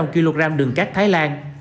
chín bốn trăm linh kg đường cát thái lan